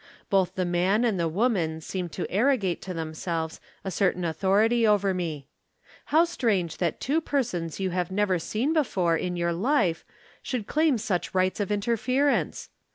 Both the man and the woman seem to arrogate to themselves a certain authority over me. How strange that two persons you have never seen before in your life should claim such rights of interference!